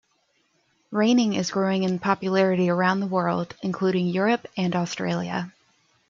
Reining is growing in popularity around the world, including Europe and Australia.